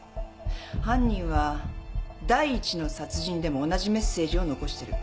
犯人は第１の殺人でも同じメッセージを残してる。